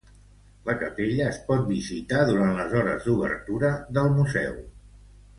La capella es pot visitar durant les hores d'obertura del museu.